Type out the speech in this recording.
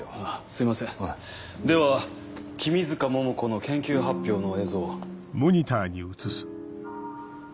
すいませんでは君塚桃子の研究発表の映像を。